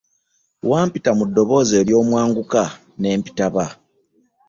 Wampita mu ddoboozi ery'omwanguka ne mpitaba.